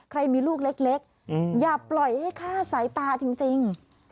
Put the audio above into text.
ใครมีลูกเล็กอย่าปล่อยให้ฆ่าสายตาจริง